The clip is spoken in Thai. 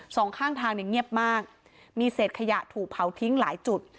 สองข้างทางเนี่ยเงียบมากมีเศษขยะถูกเผาทิ้งหลายจุด